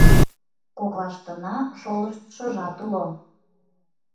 Коклаштына шолыштшыжат уло.